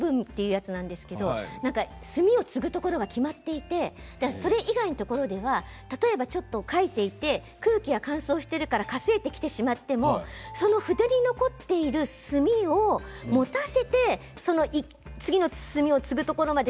手紙文というものなんですけれど墨をつぐところが決まっていてそれ以外のところでは書いていて空気が乾燥しているから、かすれてしまっても筆に残っている墨を持たせて次の墨を注ぐところまで